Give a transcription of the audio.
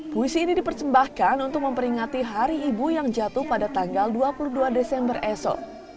puisi ini dipersembahkan untuk memperingati hari ibu yang jatuh pada tanggal dua puluh dua desember esok